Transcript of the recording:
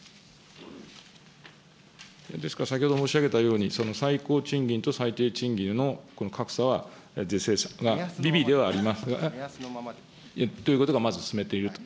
ですから先ほど申し上げたように、最高賃金と最低賃金の、この格差は是正が、微々ではありますが。ということがまず進めていると。